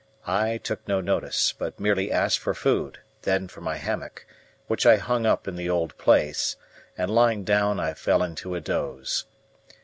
I took no notice, but merely asked for food, then for my hammock, which I hung up in the old place, and lying down I fell into a doze.